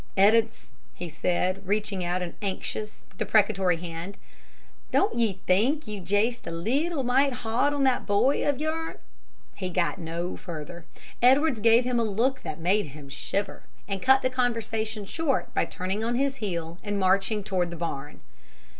"Ed'ards," he said, reaching out an anxious, deprecatory hand, "don't ye think you're jest a leetle mite hard on that boy o' yourn " He got no further. Edwards gave him a look that made him shiver, and cut the conversation short by turning on his heel and marching toward the barn.